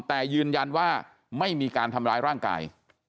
แต่ยืนยันว่าไม่มีการทำร้ายร่างกาย